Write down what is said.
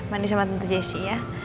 mandi sama tantu jisih ya